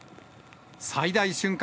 最大瞬間